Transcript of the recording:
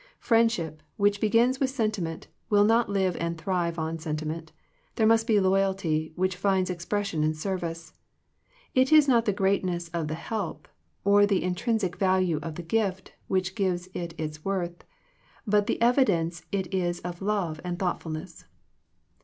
Friendship, which begins with sentiment, will not live and thrive on sentiment There must be loyalty, which finds expression in service. It is not the greatness of the help, or the intrinsic value of the gift, which gives it its worth, but the evidence it is of love and thought fulness.